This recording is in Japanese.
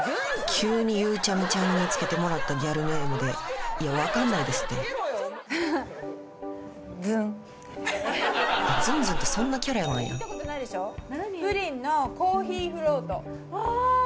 急にゆうちゃみちゃんに付けてもらったギャルネームでいや分かんないですってずんずんってそんなキャラなんやプリンのコーヒーフロートわあ